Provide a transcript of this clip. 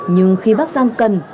nhưng khi bác giang cần